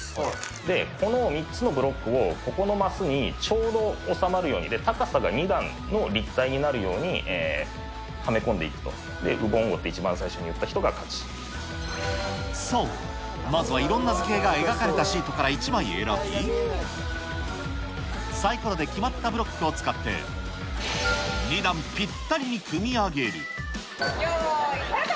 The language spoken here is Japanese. で、この３つのブロックをここのマスにちょうど収まるように、高さが２段の立体になるようにはめ込んでいくと、ウボンゴって一番最初そう、まずはいろんな図形が描かれたシートから１枚選び、サイコロで決まったブロックを使って、よーい、スタート！